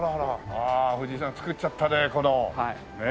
ああ藤井さん作っちゃったね